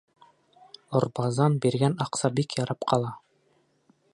Орбазан биргән аҡса бик ярап ҡала.